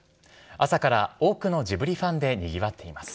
朝から多くのジブリファンでにぎわっています。